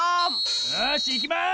よしいきます！